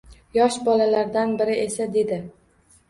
Yosh bolalardan biri esa dedi.